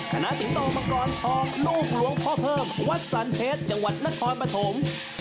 สิงโตมังกรทองลูกหลวงพ่อเพิ่มวัดสรรเพชรจังหวัดนครปฐม